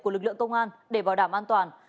của lực lượng công an để bảo đảm an toàn